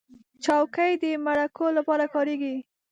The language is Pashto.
چوکۍ د مرکو لپاره کارېږي.